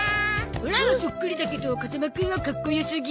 オラはそっくりだけど風間くんはかっこよすぎ。